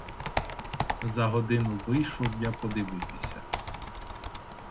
За годину вийшов я подивитися.